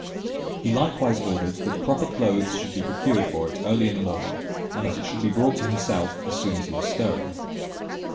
He likewise ordered that proper cloathes should be procured for it early in the morning, and that it should be brought to himself as soon as he was stirring.